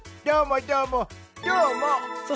どーも、どーも！